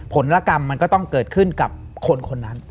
ผลละกรรมมันก็ต้องเกิดขึ้นกับคนคนนั้น